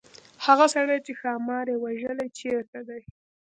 هغه سړی چې ښامار یې وژلی چيرته دی.